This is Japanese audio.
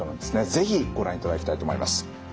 是非ご覧いただきたいと思います。